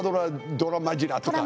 ドラマジラ！」とか。